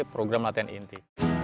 program latihan inti